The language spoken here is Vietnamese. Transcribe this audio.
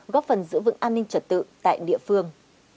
góp phần giữ vững an ninh trật tự tại địa phương